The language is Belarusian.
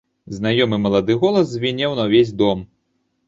Знаёмы малады голас звінеў на ўвесь дом.